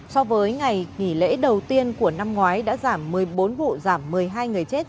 so với ngày nghỉ lễ đầu tiên của năm ngoái đã giảm một mươi bốn vụ giảm một mươi hai người chết